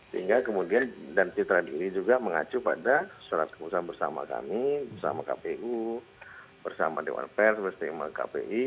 sehingga kemudian dan citra ini juga mengacu pada surat keputusan bersama kami bersama kpu bersama dewan pers bersama kpi